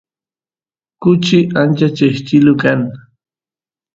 kuchi ancha cheqchilu kan